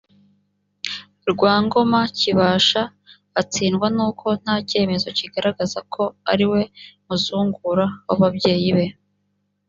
rwa ngoma kibasha atsindwa n uko nta cyemezo kigaragaza ko ariwe muzungura w ababyeyi be